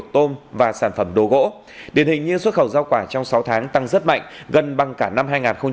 tôm và sản phẩm đồ gỗ điển hình như xuất khẩu rau quả trong sáu tháng tăng rất mạnh gần bằng cả năm hai nghìn một mươi tám